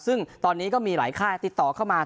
ซึ่งตอนนี้ก็มีหลายค่ายติดต่อเข้ามา